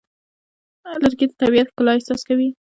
لرګی د طبیعي ښکلا احساس ورکوي.